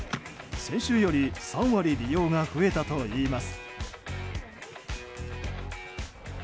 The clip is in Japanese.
先週より３割、利用が増えたといいます。